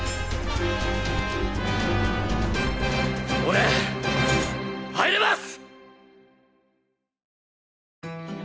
俺入れます！